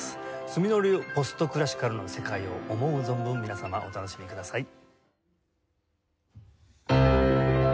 角野流ポストクラシカルの世界を思う存分皆様お楽しみください。